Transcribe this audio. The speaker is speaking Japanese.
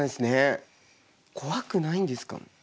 怖くないんですか？